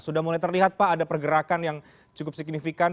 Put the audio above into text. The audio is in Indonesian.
sudah mulai terlihat pak ada pergerakan yang cukup signifikan